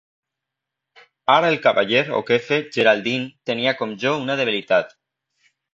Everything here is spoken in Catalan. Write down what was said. Ara el cavaller O'Keefe, Geraldine, tenia, com jo, una debilitat.